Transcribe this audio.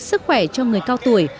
sức khỏe cho người cao tuổi